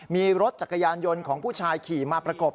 มีรถจักรยานยนต์ของผู้ชายขี่มาประกบ